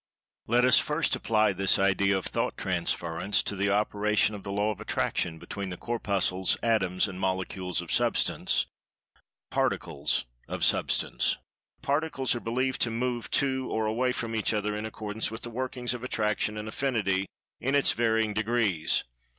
Let us first apply this idea of Thought transference to the operation of the Law of Attraction between the Corpuscles, Atoms and Molecules of Substance—the Particles of Substance. The particles are believed to move to or away from each other in accordance with the workings of Attraction and Affinity, in its various degrees.